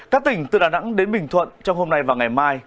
các tỉnh từ đà nẵng đến bình thuận trong hôm nay và ngày mai